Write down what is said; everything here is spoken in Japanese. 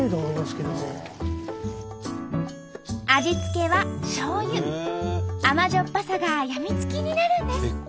味付けは甘じょっぱさが病みつきになるんです。